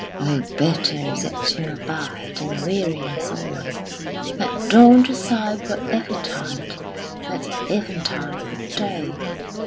"O bitter is it to abide In weariness alway: At dawn to sigh for eventide, At eventide for day.